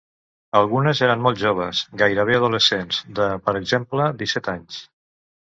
Algunes eren molt joves, gairebé adolescents, de, per exemple, disset anys.